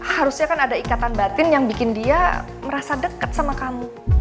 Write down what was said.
harusnya kan ada ikatan batin yang bikin dia merasa dekat sama kamu